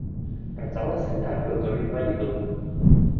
Працавала санітаркай у доме інвалідаў.